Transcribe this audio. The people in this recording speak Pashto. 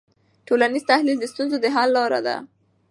ټولنیز تحلیل د ستونزو د حل لاره ده.